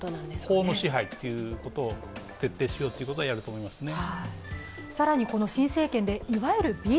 法の支配ということを徹底しようということはやると思いますね。